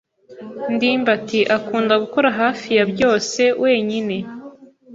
ndimbati akunda gukora hafi ya byose wenyine.